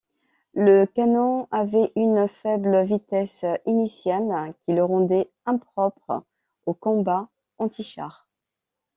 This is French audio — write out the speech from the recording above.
Le canon avait une faible vitesse initiale qui le rendait impropre au combat antichar.